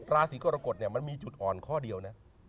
ราศีกรกฎเนี่ยมันมีจุดอ่อนข้อเดียวนะ